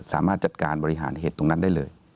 สามารถจัดการบริหารเหตุตรงนั้นได้เลย